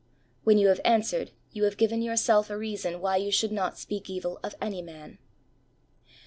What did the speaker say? When you have answered you have given yourself a reason why you should not speak evil of any man.